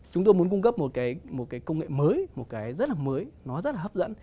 chúng tôi muốn cung cấp một cái công nghệ mới một cái rất là mới nó rất là hấp dẫn